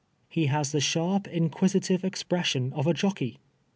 He has the sharp, incpiisitive ex pression of a jochcy.